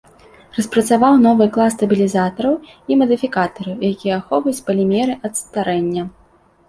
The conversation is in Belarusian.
Распрацаваў новы клас стабілізатараў і мадыфікатараў, якія ахоўваюць палімеры ад старэння.